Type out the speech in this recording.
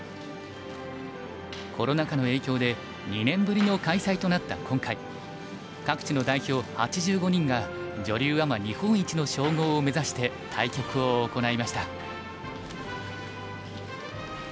コロナ禍の影響で２年ぶりの開催となった今回各地の代表８５人が女流アマ日本一の称号を目指して対局を行いました。